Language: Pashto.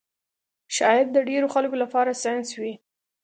شاید د ډېرو خلکو لپاره ساینس وي